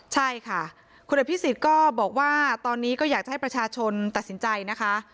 ใช่ค่ะคุณอภิษฎก็บอกว่าตอนนี้ก็อยากจะให้ประชาชนตัดสินใจนะคะ